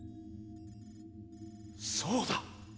そうだ！